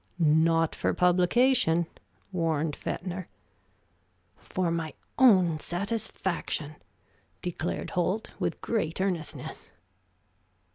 "Not for publication," warned Fetner. "For my own satisfaction," declared Holt, with great earnestness.